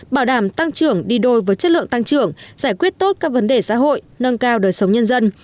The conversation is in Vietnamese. bảo đảm tăng trưởng đi đôi với chất lượng tăng trưởng giải quyết tốt các vấn đề xã hội nâng cao đời sống nhân dân